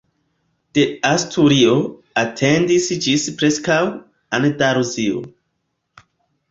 De Asturio etendis ĝis preskaŭ Andaluzio.